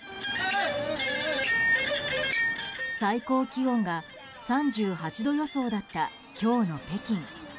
最高気温が３８度予想だった今日の北京。